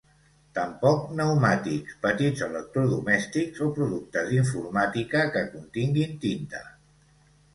Tampoc pneumàtics, petits electrodomèstics o productes d'informàtica que continguin tinta.